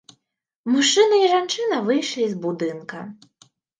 Мужчына і жанчына выйшлі з будынка.